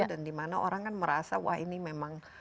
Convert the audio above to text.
dan di mana orang kan merasa wah ini memang